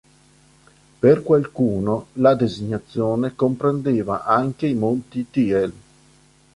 Per qualcuno la designazione comprendeva anche i Monti Thiel.